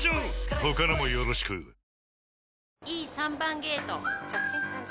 他のもよろしくよっ！